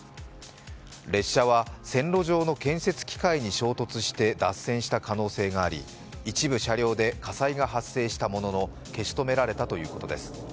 列車は線路上の建設機械に衝突して脱線した可能性があり、一部車両で火災が発生したものの、消し止められたということです。